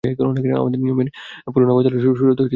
আমাদের নিওয়ের পুরনো আবাসস্থলে সুড়ুত করে ঢুকতে হবে শুধু।